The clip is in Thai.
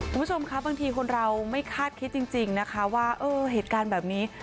คุณผู้ชมครับบางทีคนเราไม่คาดคิดจริงนะคะว่าเออเหตุการณ์แบบนี้